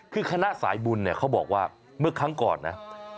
คือคณะสายบุญเนี่ยเขาบอกว่าเมื่อครั้งก่อนนะ